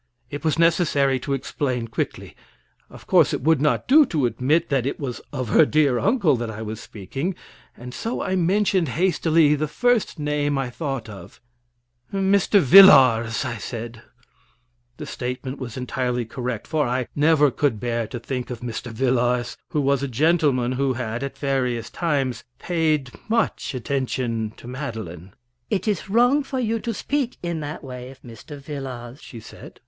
It was necessary to explain quickly. Of course, it would not do to admit that it was of her dear uncle that I was speaking; and so I mentioned hastily the first name I thought of. "Mr. Vilars," I said. This statement was entirely correct; for I never could bear to think of Mr. Vilars, who was a gentleman who had, at various times, paid much attention to Madeline. "It is wrong for you to speak in that way of Mr. Vilars," she said.